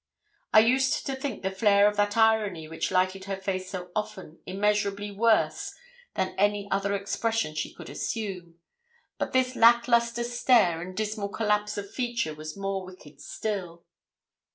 I used to think the flare of that irony which lighted her face so often immeasurably worse than any other expression she could assume; but this lack lustre stare and dismal collapse of feature was more wicked still.